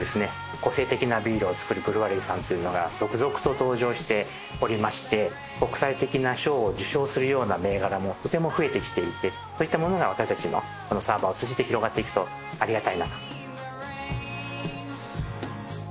個性的なビールを作るブリュアリーさんというのが続々と登場しておりまして国際的な賞を受賞するような銘柄もとても増えてきていてそういったものが私たちのサーバーを通じて広がっていくとありがたいなと。